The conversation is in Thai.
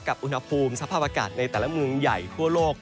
อุณหภูมิสภาพอากาศในแต่ละเมืองใหญ่ทั่วโลก